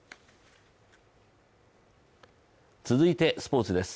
続いてスポーツです。